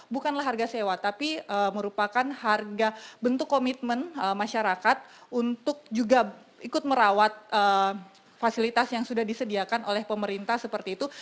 bukanlah harga sewa tapi merupakan harga bentuk komitmen masyarakat untuk juga ikut merawat fasilitas yang sudah disediakan oleh pemerintah seperti itu